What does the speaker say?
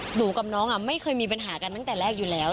หนูกับน้องไม่เคยมีปัญหากันตั้งแต่แรกอยู่แล้ว